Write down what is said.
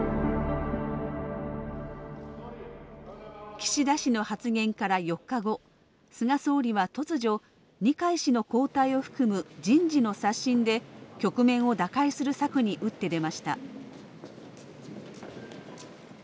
岸田氏の発言から４日後菅総理は突如二階氏の交代を含む人事の刷新で局面を打開する策に打って出ました。